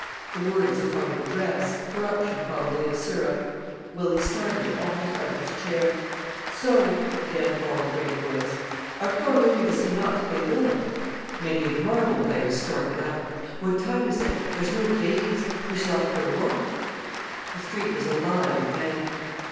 The word is a form of address, corruption probably of "Sirrah". Willy started almost out of his chair. "Sorry!" again bawled a great voice. "Art goin' wi' me to see Notts play Villa?" Many of the marble players started up. "What time is it? There's no treens, we s'll ha'e ter walk." The street was alive with men.